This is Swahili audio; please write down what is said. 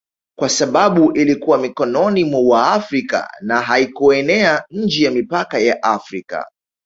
kwa sababu ilikuwa mikononi mwa Waafrika na haikuenea nje ya mipaka ya Afrika